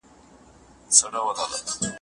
د دوه میینو جوړه سیوري